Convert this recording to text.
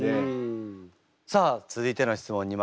さあ続いての質問にまいりたいと思います。